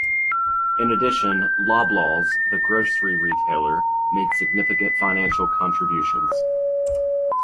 In addition, Loblaws, the grocery retailer, made significant financial contributions.